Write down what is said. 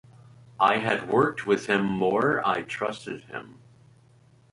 I had worked with him more; I trusted him.